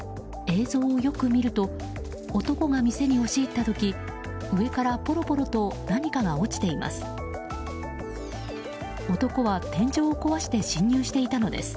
映像をよく見ると男が店に押し入った時上からぽろぽろと何かが落ちています。